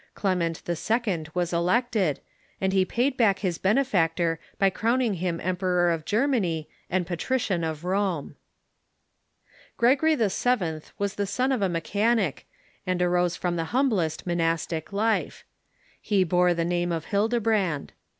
Clem ent II. Avas elected, and he paid back his benefactor by crown ing him Emperor of Germany and Patrician of Rome. Gregory VII. Avas the son of a mechanic, and arose from the humblest monastic life. He bore the name of Ilildebrand.